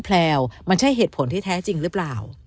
แพลวมันใช่เหตุผลที่แท้จริงหรือเปล่า